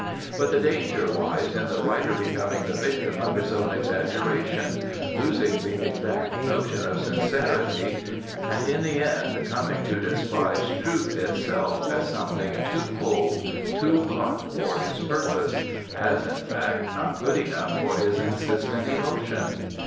But the danger lies in the writer becoming the victim of his own exaggeration, losing the exact notion of sincerity, and in the end coming to despise truth itself as something too cold, too blunt for his purpose as, in fact, not good enough for his insistent emotion.